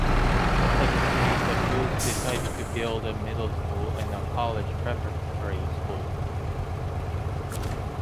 Subsequently, the Booths decided to build a middle school and a college preparatory school.